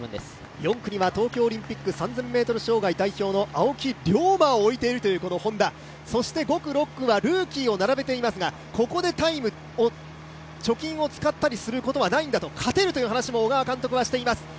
４区には東京オリンピック３０００ｍ障害代表の青木涼真を置いているというＨｏｎｄａ５区、６区はルーキーを並べていますが、タイム、貯金を使ったりすることはないんだと勝てるという話も小川監督はしています。